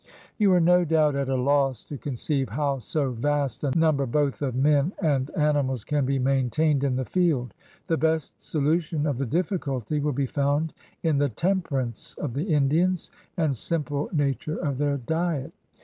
You are no doubt at a loss to conceive how so vast a number both of men and animals can be maintained in the field. The best solution of the difl&culty will be found in the temperance of the Indians and simple na ture of their diet.